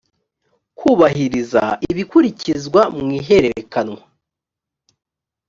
kubahiriza ibikurikizwa mu ihererekanywa